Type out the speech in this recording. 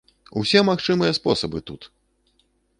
Усе магчымыя спосабы тут!